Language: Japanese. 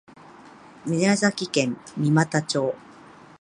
宮崎県三股町